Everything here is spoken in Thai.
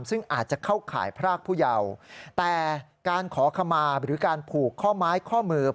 ซึ่งอาจจะเข้าข่ายพรากผู้เยาแต่การขอขมาหรือการผูกข้อไม้ข้อมือ